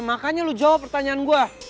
makanya lu jawab pertanyaan gue